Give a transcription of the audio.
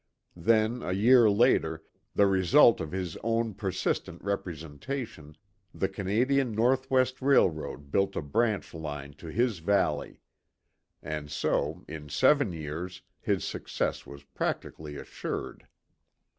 Then, a year later, the result of his own persistent representation, the Canadian Northwestern Railroad built a branch line to his valley. And so, in seven years, his success was practically assured.